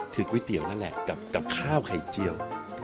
คือก๋วยเตี๋ยวนั่นแหละกับข้าวไข่เจียว